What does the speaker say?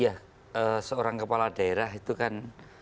iya seorang kepala daerah itu kan